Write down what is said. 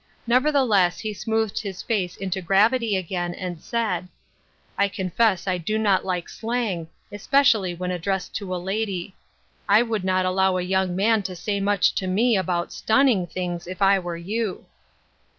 Never theless he smoothed his face into gravity again, and said :" I confess I do not like slang, especially LOGIC AND INTERROGATION POINTS. 20, when addressed to a lady. I would not allow a young man to say much to me about 'stunning' things if I were you."